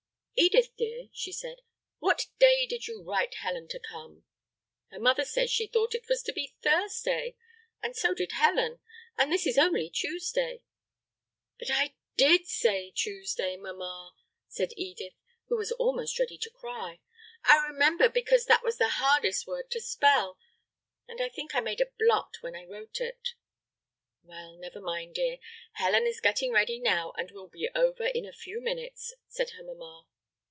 "Edith, dear," she said, "what day did you write Helen to come? Her mother says she thought it was to be Thursday, and so did Helen, and this is only Tuesday." "But I did say Tuesday, mama," said Edith, who was almost ready to cry. "I remember because that was the hardest word to spell, and I think I made a blot when I wrote it." "Well, never mind, dear; Helen is getting ready now and will be over in a few minutes," said her mama.